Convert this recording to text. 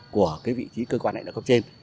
của cái vị trí cơ quan đại quốc trên